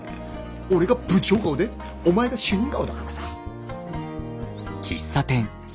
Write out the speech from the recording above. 俺が部長顔でお前が主任顔だからさ。